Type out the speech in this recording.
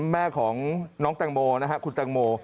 แม่ของน้องตังโมคุณตังโม